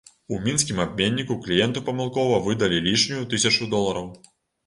У мінскім абменніку кліенту памылкова выдалі лішнюю тысячу долараў.